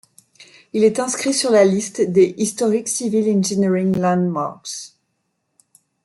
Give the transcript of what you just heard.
Il est inscrit sir la liste des Historic Civil Engineering Landmarks.